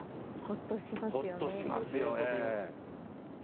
ほっとしますよね。